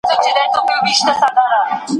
مور مې وویل چې لمونځ د مومن معراج دی.